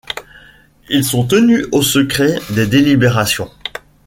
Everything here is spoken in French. Ils sont tenus au secret des délibérations.